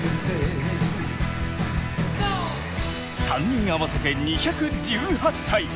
３人合わせて２１８歳！